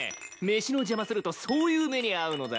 飯の邪魔するとそういう目に遭うのだ。